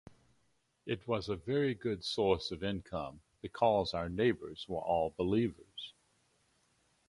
It was a very good source of income because our neighbors were all believers.